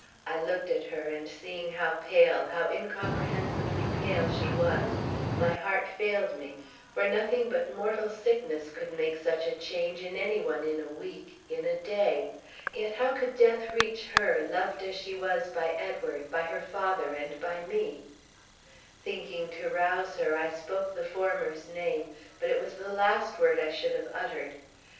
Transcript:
I looked at her, and seeing how pale, how incomprehensibly pale she was, my heart failed me, for nothing but mortal sickness could make such a change in any one in a week, in a day. Yet how could death reach her, loved as she was by Edward, by her father, and by me. Thinking to rouse her, I spoke the former's name. But it was the last word I should have uttered.